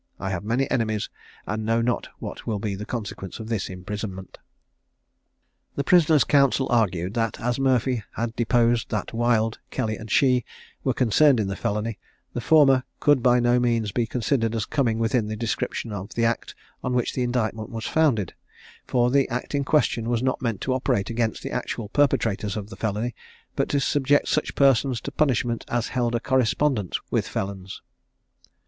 I have many enemies, and know not what will be the consequence of this imprisonment." The prisoner's counsel argued, that as Murphy had deposed that Wild, Kelly, and she, were concerned in the felony, the former could by no means be considered as coming within the description of the act on which the indictment was founded; for the act in question was not meant to operate against the actual perpetrators of felony, but to subject such persons to punishment as held a correspondence with felons.